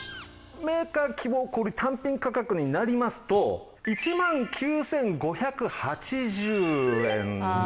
メーカー希望小売単品価格になりますと１万９５８０円のところ。